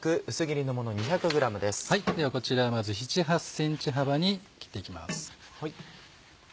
ではこちらはまず７８ｃｍ幅に切って行きます。